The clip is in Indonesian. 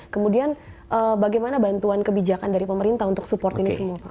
kemudian bagaimana bantuan kebijakan dari pemerintah untuk support ini semua